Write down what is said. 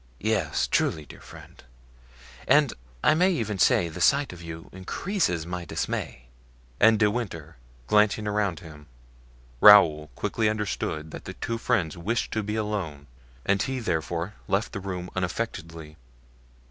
"Yes, truly, dear friend; and I may even say the sight of you increases my dismay." And De Winter glancing around him, Raoul quickly understood that the two friends wished to be alone and he therefore left the room unaffectedly.